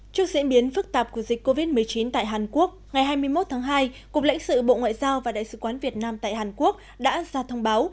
trước diễn biến phức tạp của dịch covid một mươi chín tại hàn quốc ngày hai mươi một tháng hai cục lãnh sự bộ ngoại giao và đại sứ quán việt nam tại hàn quốc đã ra thông báo